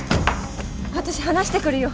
私話してくるよ。